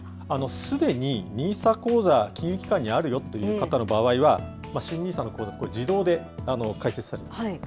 すでにＮＩＳＡ口座、金融機関にあるよっていう方の場合は、新ＮＩＳＡの口座、自動で開設されます。